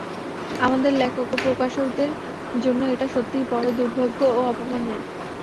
আমাদের লেখক ও প্রকাশকদের জন্য এটা সত্যিই বড় দুর্ভাগ্য ও অপমানের।